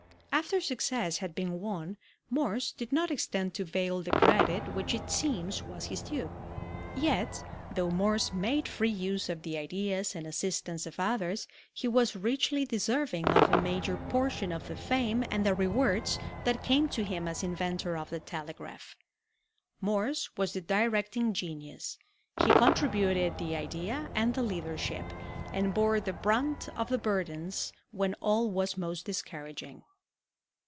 After success had been won Morse did not extend to Vail the credit which it seems was his due. Yet, though Morse made free use of the ideas and assistance of others, he was richly deserving of a major portion of the fame and the rewards that came to him as inventor of the telegraph. Morse was the directing genius; he contributed the idea and the leadership, and bore the brunt of the burdens when all was most discouraging.